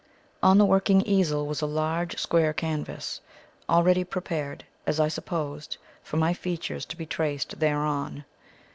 On the working easel was a large square canvas, already prepared, as I supposed, for my features to be traced thereon.